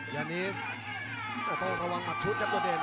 ยานิสต้องระวังหมัดชุดครับตัวเด่น